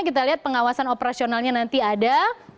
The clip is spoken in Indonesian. kita lihat pengawasan operasionalnya nanti ada